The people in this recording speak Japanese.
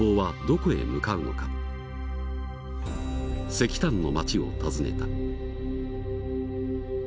石炭の町を訪ねた。